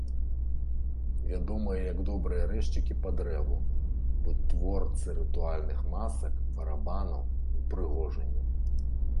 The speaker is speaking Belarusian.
Вядомыя як добрыя рэзчыкі па дрэву, вытворцы рытуальных масак, барабанаў, упрыгожанняў.